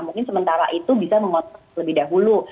mungkin sementara itu bisa mengontrol lebih dahulu